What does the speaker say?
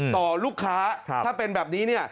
ต่อลูกค้าถ้าเป็นแบบนี้เนี่ย